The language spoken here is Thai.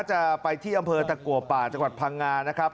จะไปที่อำเภอตะกัวป่าจังหวัดพังงานะครับ